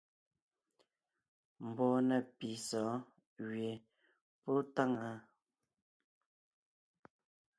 Mbɔɔ na pì sɔ̌ɔn gẅie pɔ́ táŋaa.